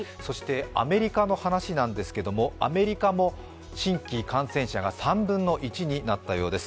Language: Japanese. アメリカの話なんですけども、アメリカも新規感染者が３分の１になったようです。